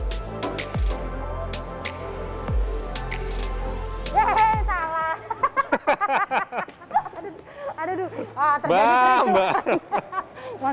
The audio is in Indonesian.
hehehe salah hahaha aduh aduh terjadi kerikuan